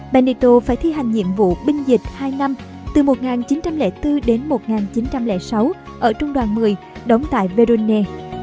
benito phải thi hành nhiệm vụ binh dịch hai năm từ một nghìn chín trăm linh bốn đến một nghìn chín trăm linh sáu ở trung đoàn một mươi đóng tại verona